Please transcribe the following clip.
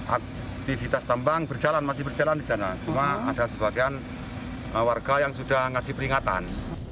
aktivitas tambang berjalan masih berjalan di sana cuma ada sebagian warga yang sudah ngasih peringatan